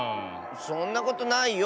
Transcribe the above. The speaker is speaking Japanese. そんなことないよ。